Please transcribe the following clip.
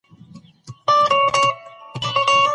د انسان ښکلا په رنګ نه بلکې په حوی او کړنو کې نغښتې ده.